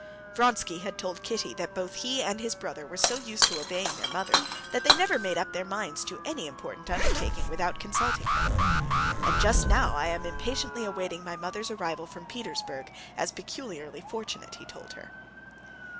Vronsky had told Kitty that both he and his brother were so used to obeying their mother that they never made up their minds to any important undertaking without consulting her. "And just now, I am impatiently awaiting my mother's arrival from Petersburg, as peculiarly fortunate," he told her.